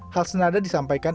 hal senada disampaikan